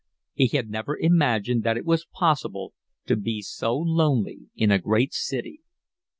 He had never imagined that it was possible to be so lonely in a great city.